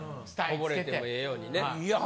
こぼれてもええようにね。